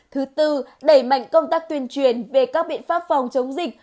thứ tư đẩy mạnh công tác tuyên truyền về các biện pháp phòng chống dịch